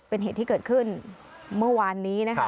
เป็นเหตุที่เกิดขึ้นเมื่อวานนี้นะคะ